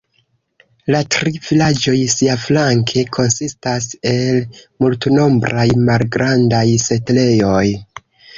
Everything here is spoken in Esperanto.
La tri vilaĝoj siaflanke konsistas el multnombraj malgrandaj setlejoj.